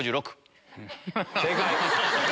正解！